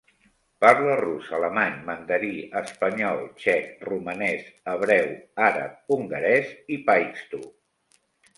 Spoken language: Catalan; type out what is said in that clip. Parla rus, alemany, mandarí, espanyol, txec, romanès, hebreu, àrab, hongarès i paixtu.